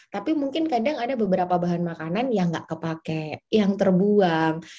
tapi mungkin kadang ada beberapa bahan makanan yang nggak kepake yang terbuang